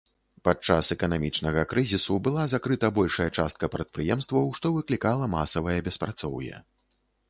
Падчас эканамічнага крызісу была закрыта большая частка прадпрыемстваў, што выклікала масавае беспрацоўе.